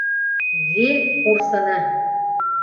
Гел ҡурсыны!